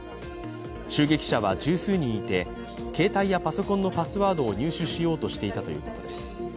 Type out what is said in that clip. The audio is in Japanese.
襲撃者は十数人いて携帯やパソコンのパスポートを入手しようとしていたということです。